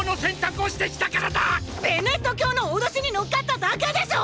ベネット教の脅しに乗っかっただけでしょう！